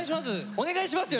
「お願いしますよ」